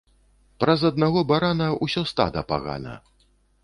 Праз аднаго барана усё стада пагана